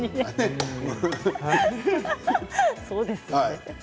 そうですよね。